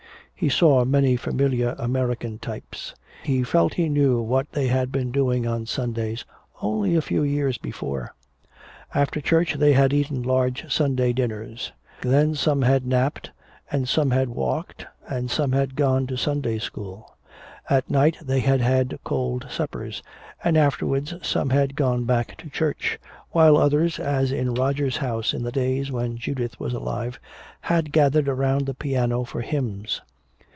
He saw many familiar American types. He felt he knew what they had been doing on Sundays only a few years before. After church they had eaten large Sunday dinners. Then some had napped and some had walked and some had gone to Sunday school. At night they had had cold suppers, and afterwards some had gone back to church; while others, as in Roger's house in the days when Judith was alive, had gathered around the piano for hymns.